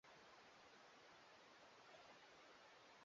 Wengi wa wafanyakazi wahamiaji takriban